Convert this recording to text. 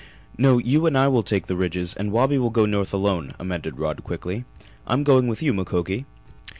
"No, you and I will take the ridges and Wabi will go north alone," amended Rod quickly. "I'm going with you, Mukoki!"